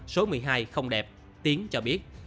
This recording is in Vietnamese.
số một mươi hai không đẹp tiến cho biết